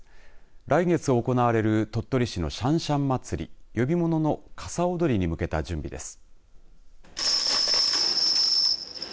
来月行われる鳥取市のしゃんしゃん祭り呼び物の傘踊りに向けた準備です。